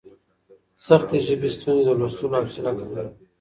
سختې ژبې ستونزې د لوستلو حوصله کموي.